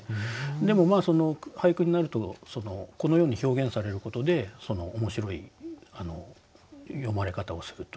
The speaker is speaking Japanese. でも俳句になるとこのように表現されることで面白い詠まれ方をするということですね。